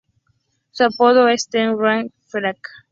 Su apodo es "The Greek Freak".